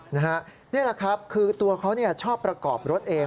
นี่แหละครับคือตัวเขาชอบประกอบรถเอง